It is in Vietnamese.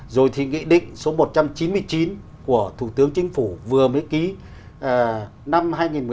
rồi thì nghị định số một trăm chín mươi chín của thủ tướng chính phủ vừa mới ký năm hai nghìn một mươi ba